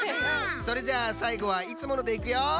それじゃあさいごはいつものでいくよ！